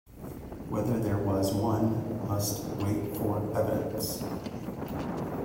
Whether there was one must wait for evidence.